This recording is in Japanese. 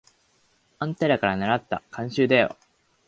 あんたからならった慣習だよ。